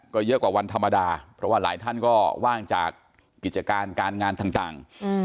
ก็เยอะกว่าวันธรรมดาเพราะว่าหลายท่านก็ว่างจากกิจการการงานต่าง